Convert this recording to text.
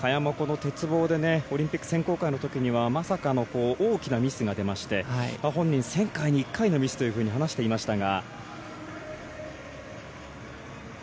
萱も鉄棒でオリンピック選考会の時にはまさかの大きなミスが出まして本人、１０００回に１回のミスと話していましたが。